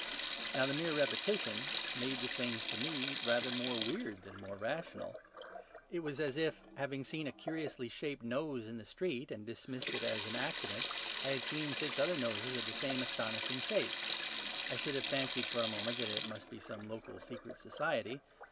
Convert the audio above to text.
Now, the mere repetition made the things to me rather more weird than more rational. It was as if, having seen a curiously shaped nose in the street and dismissed it as an accident, I had then seen six other noses of the same astonishing shape. I should have fancied for a moment that it must be some local secret society.